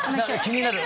気になる。